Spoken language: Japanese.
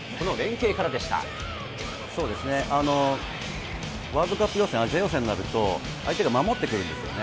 そうですね、ワールドカップ予選、アジア予選になると、相手が守ってくるんですよね。